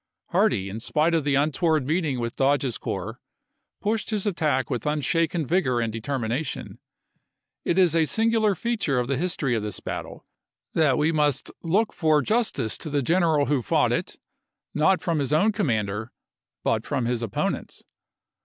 Hardee, in spite of the untoward meeting with Dodge's corps, pushed his attack with unshaken vigor and determination. It is a singular feature of the history of this battle that we must look for justice to the general who fought it ; not from his own commander, but from his opponents.